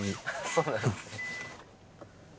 そうなんですね。